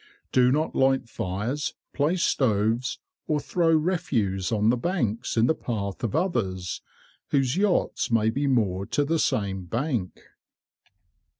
Do not light fires, place stoves, or throw refuse on the banks in the path of others, whose yachts may be moored to the same bank.